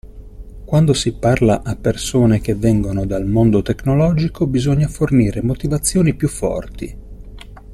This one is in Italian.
Quando si parla a persone che vengono dal mondo tecnologico bisogna fornire motivazioni più forti.